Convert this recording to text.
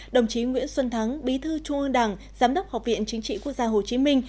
đồng chí nguyễn xuân thắng bí thư trung ương đảng giám đốc học viện chính trị quốc gia hồ chí minh